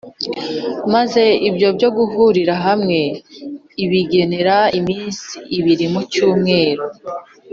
maze ibyo guhurira hamwe ibigenera iminsi ibiri mu cyumweru.